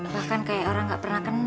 bahkan kayak orang gak pernah kenal